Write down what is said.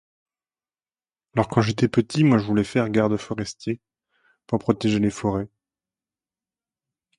(A)lors quand j'étais petit moi je voulais faire garde-forestier pour protéger les forêts.